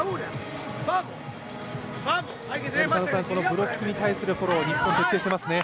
ブロックに対するフォロー、日本、徹底していますね。